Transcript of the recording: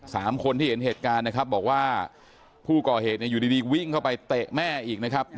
สามคนที่เห็นเหตุการณ์นะครับบอกว่าผู้ก่อเหตุเนี่ยอยู่ดีดีวิ่งเข้าไปเตะแม่อีกนะครับ